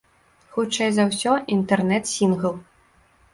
Хутчэй за ўсё, інтэрнэт-сінгл.